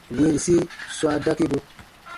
Winsi swa dakibu.